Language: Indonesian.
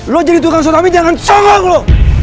lu jadi tukang sholat tominya jangan congong lu